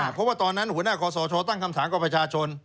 เพราะว่าตอนนั้นหัวหน้าคอสชตั้งคำถามกับประชาชน